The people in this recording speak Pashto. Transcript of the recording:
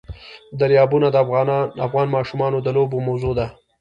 دریابونه د افغان ماشومانو د لوبو موضوع ده.